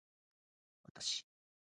わたし